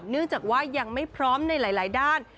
เนื่องจากว่ายังไม่พร้อมในหลายด้าน